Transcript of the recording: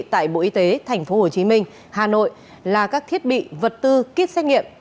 tại bộ y tế tp hcm hà nội là các thiết bị vật tư kit xét nghiệm